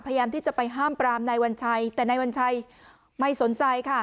พยายามที่จะไปห้ามปรามนายวัญชัยแต่นายวัญชัยไม่สนใจค่ะ